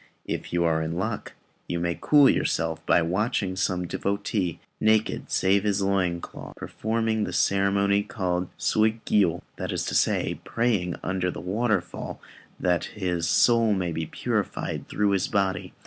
If you are in luck, you may cool yourself by watching some devotee, naked save his loin cloth, performing the ceremony called Suigiyô; that is to say, praying under the waterfall that his soul may be purified through his body.